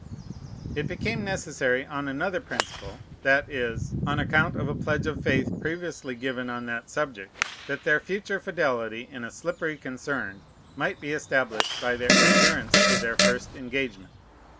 It became necessary on another principle, that is, on account of a pledge of faith previously given on that subject, that their future fidelity in a slippery concern might be established by their adherence to their first engagement.